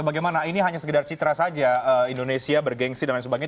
bagaimana ini hanya sekedar citra saja indonesia bergensi dan lain sebagainya